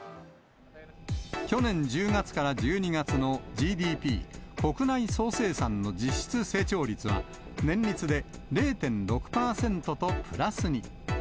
去年１０月から１２月のＧＤＰ・国内総生産の実質成長率は、年率で０．６％とプラスに。